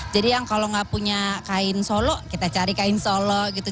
jadi yang kalau nggak punya kain solo kita cari kain solo gitu